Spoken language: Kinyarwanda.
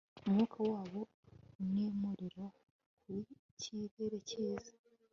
umwuka wabo ni umuriro ku kirere cyiza